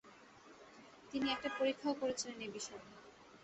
তিনি একটা পরীক্ষাও করেছিলেন এ বিষয়ে।